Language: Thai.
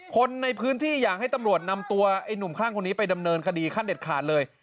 คนในพื้นที่อยากให้ตำรวจนำตัวไอ้หนุ่มคลั่งคนนี้ไปดำเนินคดีขั้นเด็ดขาดเลย